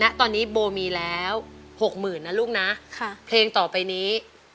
ณตอนนี้โบมีแล้วหกหมื่นนะลูกนะเพลงต่อไปนี้